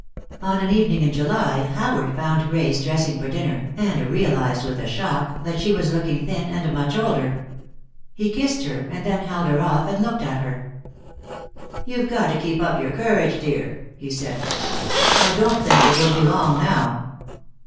On an evening in July, Howard found Grace dressing for dinner, and realized with a shock that she was looking thin and much older. He kissed her and then held her off and looked at her. "You've got to keep your courage up, dear," he said. "I don't think it will be long now."